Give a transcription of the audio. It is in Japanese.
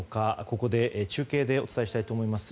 ここで、中継でお伝えしたいと思います。